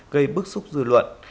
gây bức xúc dư luận